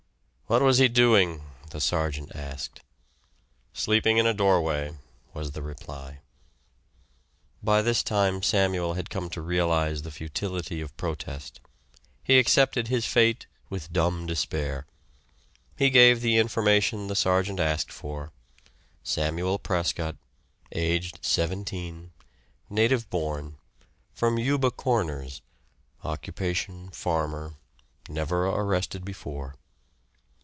"What was he doing?" the sergeant asked. "Sleeping in a doorway," was the reply. By this time Samuel had come to realize the futility of protest. He accepted his fate with dumb despair. He gave the information the sergeant asked for Samuel Prescott, aged seventeen, native born, from Euba Corners, occupation farmer, never arrested before.